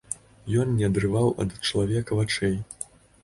Ён не адрываў ад чалавека вачэй.